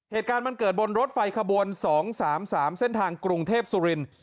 เหตุการณ์มันเกิดบนรถไฟขบวน๒๓๓เส้นทางกรุงเทพสุรินทร์